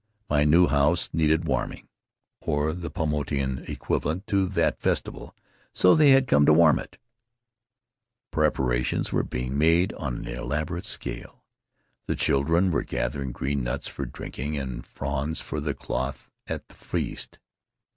My new house needed warming — or the Paumotuan equivalent to that festival — so they had come to warm it. An Adventure in Solitude Preparations were being made on an elaborate scale. The children were gathering green nuts for drinking and fronds for the cloth at the feast.